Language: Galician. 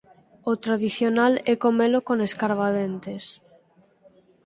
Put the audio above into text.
O tradicional é comelo con escarvadentes.